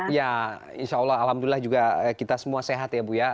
ya insya allah alhamdulillah juga kita semua sehat ya bu ya